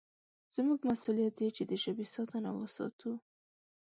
زموږ مسوولیت دی چې د ژبې ساتنه وساتو.